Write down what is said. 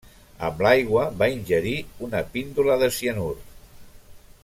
Amb l'aigua va ingerir una píndola de cianur.